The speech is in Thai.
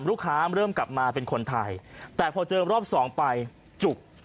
เริ่มกลับมาเป็นคนไทยแต่พอเจอรอบสองไปจุก